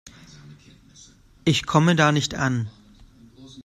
Ich komme da nicht an.